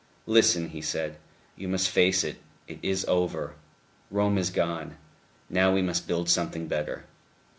"Listen," he said. "You must face it. It is over. Rome is gone. Now we must build something better."